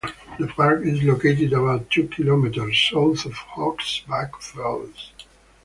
The park is located about two kilometers South of Hog's Back Falls.